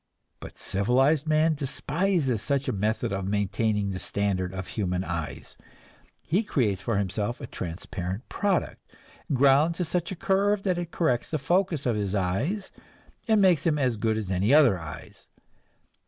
But civilized man despises such a method of maintaining the standard of human eyes; he creates for himself a transparent product, ground to such a curve that it corrects the focus of his eyes, and makes them as good as any other eyes.